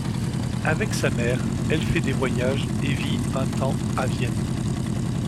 Avec sa mère, elle fait des voyages et vit un temps à Vienne.